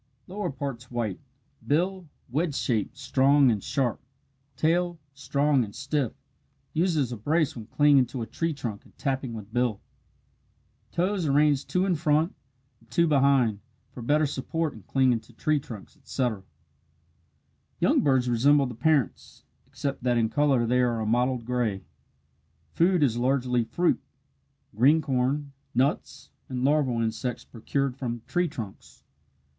Lower parts white bill wedge shaped, strong, and sharp tail strong and stiff, used as a brace when clinging to a tree trunk and tapping with bill toes arranged two in front and two behind for better support in clinging to tree trunks, etc. Young birds resemble the parents, except that in colour they are a mottled gray. Food is largely fruit green corn, nuts, and larval insects procured from tree trunks.